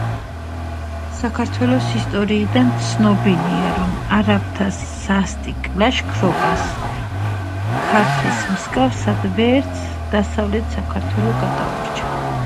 სხვადასხვა არქიტექტურული სტილის ტაძრები და ბაღები ჰარმონიულად ერწყმის ტბების, მდელოების და ტყეების ლანდშაფტს.